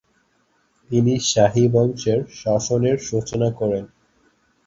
তিনি শাহী বংশের শাসন এর সূচনা করেন।